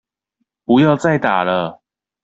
不要再打了